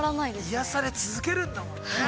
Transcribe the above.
◆癒やされ続けるんだもんね。